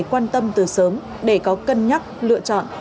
quan tâm từ sớm để có cân nhắc lựa chọn